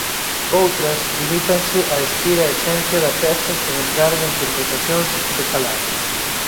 Outras, limítanse a espir a esencia da peza sen entrar en interpretacións de calado.